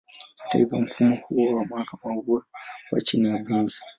Hata hivyo, mfumo huo wa mahakama huwa chini ya bunge.